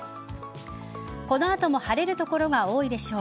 この後も晴れる所が多いでしょう。